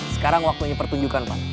sekarang waktunya pertunjukan pak